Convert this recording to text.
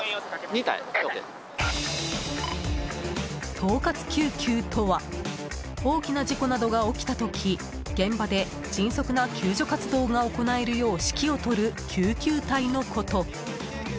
統括救急とは大きな事故などが起きた時現場で迅速な救助活動が行えるよう指揮を執る救急隊のこと。